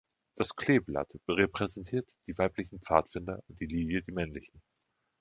Das Kleeblatt repräsentiert die weiblichen Pfadfinder und die Lilie die männlichen.